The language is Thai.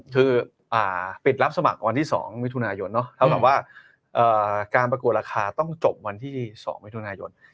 คือปิดรับสมัครวันที่๒มิถุนายนเท่ากับว่าการประกวดราคาต้องจบวันที่๒มิถุนายน